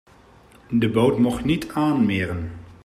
De boot mocht niet aanmeren.